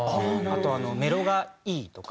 あと「メロがいい」とか。